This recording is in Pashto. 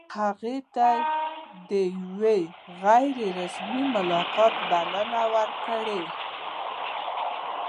هغه ته د یوه غیر رسمي ملاقات بلنه ورکړه.